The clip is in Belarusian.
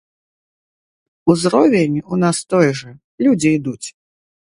Узровень у нас той жа, людзі ідуць.